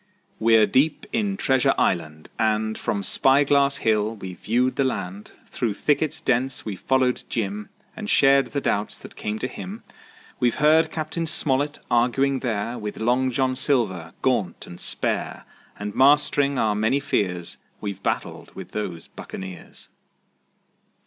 We're deep in Treasure Island, and From Spy Glass Hill we've viewed the land; Through thickets dense we've followed Jim And shared the doubts that came to him. We've heard Cap. Smollett arguing there With Long John Silver, gaunt and spare, And mastering our many fears We've battled with those buccaneers.